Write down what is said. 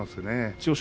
千代翔